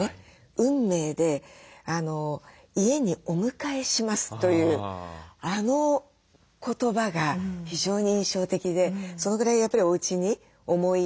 「運命で家にお迎えします」というあの言葉が非常に印象的でそのぐらいやっぱりおうちに思い入れを。